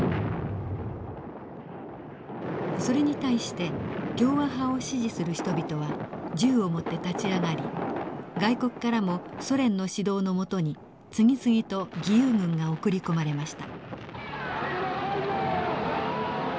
それに対して共和派を支持する人々は銃を持って立ち上がり外国からもソ連の指導の下に次々と義勇軍が送り込まれました。